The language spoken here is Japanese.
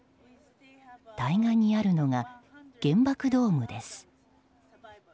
対岸にあるのが原爆ドームです。